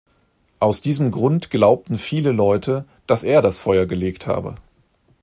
Aus diesem Grund glaubten viele Leute, dass er das Feuer gelegt habe.